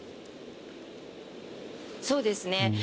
そうですね。